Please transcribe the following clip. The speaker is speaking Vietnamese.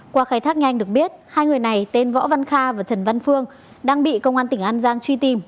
qua khai thác nhanh được biết hai người này tên võ văn kha và trần văn phương đang bị công an tỉnh an giang truy tìm